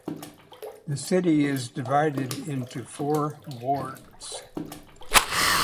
The city is divided into four wards.